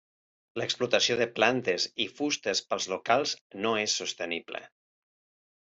L'explotació de plantes i fustes pels locals no és sostenible.